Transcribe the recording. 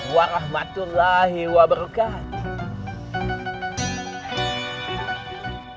wa rahmatullahi wa barakatuh